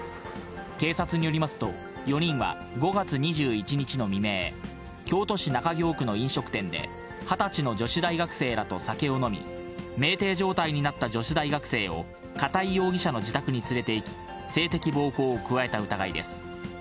警察によりますと、４人は５月２１日の未明、京都市中京区の飲食店で、２０歳の女子大学生らと酒を飲み、めいてい状態になった女子大学生を、片井容疑者の自宅に連れていき、性的暴行を加えた疑いです。